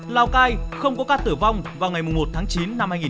lào cai không có ca tử vong vào ngày một tháng chín năm hai nghìn hai mươi ba